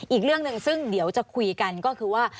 อีกเรื่องหนึ่งซึ่งเดี๋ยวจะคุยกันก็คือว่า